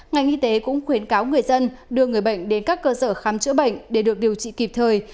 ngành y tế cũng khuyến cáo người dân đưa người bệnh đến các cơ sở khám chữa bệnh để được điều trị kịp thời